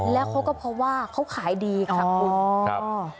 แล้วก็เพราะว่าเขาขายดีครับคุณ